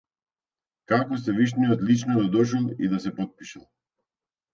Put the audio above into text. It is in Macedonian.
Како севишниот лично да дошол и да се потпишал.